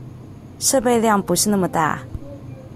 設備量不是那麼大